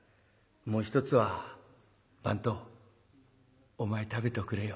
もう一つは番頭お前食べておくれよ」。